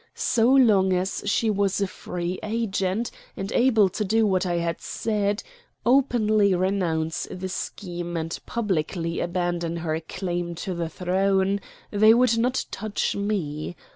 So long as she was a free agent, and able to do what I had said openly renounce the scheme and publicly abandon her claim to the throne they would not touch me.